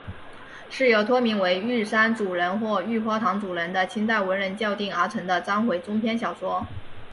是由托名为玉山主人或玉花堂主人的清代文人校订而成的章回中篇小说。